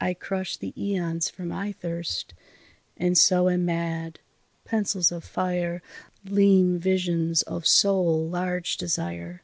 I crush the aeons for my thirst, And so am mad. Pencils of fire Limn visions of soul large desire.